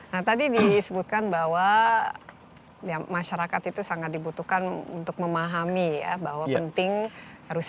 nah tadi disebutkan bahwa ya masyarakat itu sangat dibutuhkan untuk memahami ya bahwa penting harus sadar lingkungan manfaat memperhatikan